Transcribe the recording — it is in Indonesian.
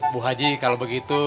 bu haji kalau begitu